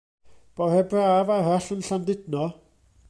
Bore braf arall yn Llandudno.